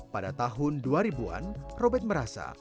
pada tahun dua ribu an robert merasa